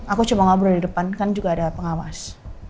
aku coba ngobrol di depan kan juga ada pengawas